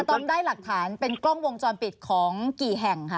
ตอนได้หลักฐานเป็นกล้องวงจรปิดของกี่แห่งค่ะ